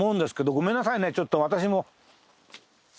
ごめんなさいねちょっと私も。